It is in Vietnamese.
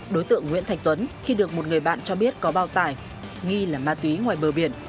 đối tượng nguyễn thạch tuấn khi được một người bạn cho biết có bao tải nghi là ma túy ngoài bờ biển